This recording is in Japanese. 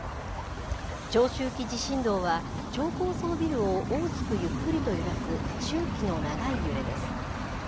長周期地震動は、超高層ビルを大きくゆっくりと揺らす、周期の長い揺れです。